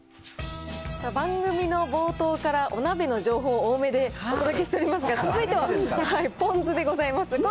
番組の冒頭からお鍋の情報多めでお届けしておりますが、続いてはポン酢でございます。